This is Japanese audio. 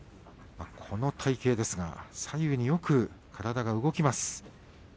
この体形ですが左右によく体が動きます。